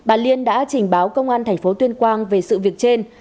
bà liên đã trình báo công an thành phố tuyên quang về sự việc trên